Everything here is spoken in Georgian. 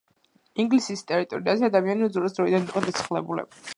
ინგლისის ტერიტორიაზე ადამიანი უძველესი დროიდან იყო დასახლებული